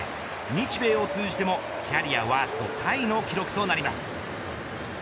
日米を通じてもキャリアワーストタイの記録となります。